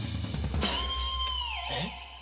えっ？